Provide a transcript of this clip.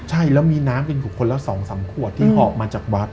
ใช่แล้วมีน้ำเป็นบุคคลละ๒๓ขวดที่หอบมาจากวัด